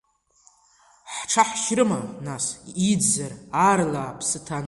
Ҳҽаҳшьрыма, нас, иӡзар, аарла аԥсы ҭан.